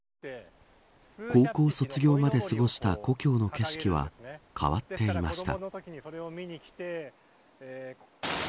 高校卒業まで過ごした故郷の景色は変わっていました。